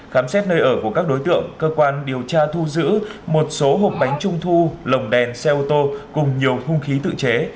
khám xét nơi ở của các đối tượng cơ quan điều tra thu giữ một số hộp bánh trung thu lồng đèn xe ô tô cùng nhiều hung khí tự chế